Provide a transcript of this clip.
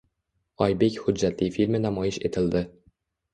«Oybek» hujjatli filmi namoyish etildi